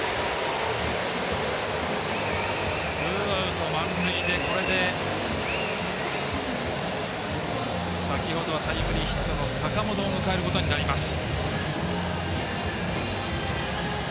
ツーアウト満塁でこれで先ほどタイムリーヒットの坂本を迎えることになります。